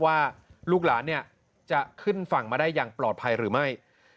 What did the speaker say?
ว่าลูกหลานจะขึ้นฝั่งมาได้อย่างปลอดภัยหรือไม่